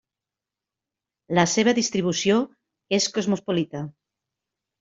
La seva distribució és cosmopolita.